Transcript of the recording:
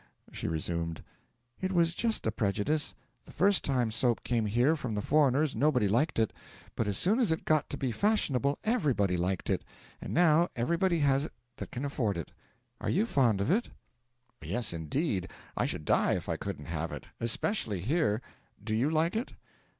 She resumed: 'It was just a prejudice. The first time soap came here from the foreigners, nobody liked it; but as soon as it got to be fashionable, everybody liked it, and now everybody has it that can afford it. Are you fond of it?' 'Yes, indeed; I should die if I couldn't have it especially here. Do you like it?'